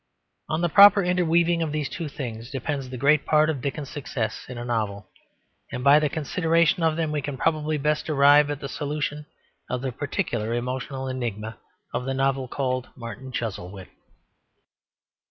On the proper interweaving of these two things depends the great part of Dickens's success in a novel. And by the consideration of them we can probably best arrive at the solution of the particular emotional enigma of the novel called Martin Chuzzlewit.